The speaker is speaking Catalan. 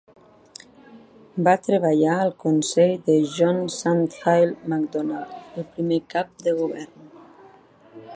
Va treballar al consell de John Sandfield Macdonald, el primer cap de govern.